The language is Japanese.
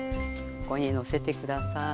ここにのせて下さい。